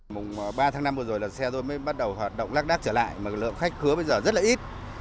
mùng ba tháng năm vừa rồi là xe tôi mới bắt đầu hoạt động lắc đắc trở lại mà lượng khách khứa bây giờ rất là ít